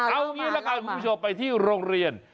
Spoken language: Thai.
เอาอย่างนี้นะคะคุณผู้ชมไปที่โรงเรียน